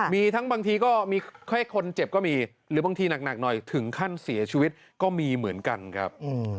มีทั้งบางทีก็มีไข้คนเจ็บก็มีหรือบางทีหนักหน่อยถึงขั้นเสียชีวิตก็มีเหมือนกันครับ